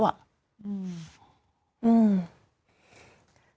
อืม